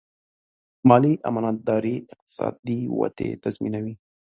مالي امانتداري اقتصادي ودې تضمینوي.